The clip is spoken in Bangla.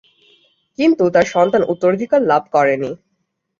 কিন্তু, তার সন্তান উত্তরাধিকার লাভ করে নি।